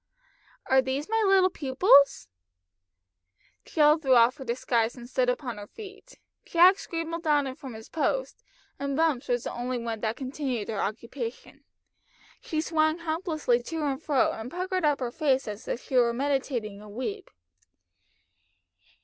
[Illustration: "ARE THESE MY LITTLE PUPILS?"] "Are these my little pupils?" Jill threw off her disguise and stood upon her feet. Jack scrambled down from his post, and Bumps was the only one that continued her occupation. She swung helplessly to and fro, and puckered up her face as if she were meditating a weep.